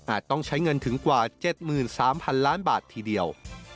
ต้องใช้เงินถึงกว่า๗๓๐๐๐ล้านบาททีเดียว